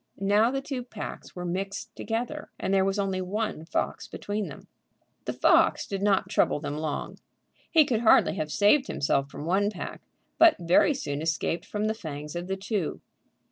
Now the two packs were mixed together, and there was only one fox between them. The fox did not trouble them long. He could hardly have saved himself from one pack, but very soon escaped from the fangs of the two.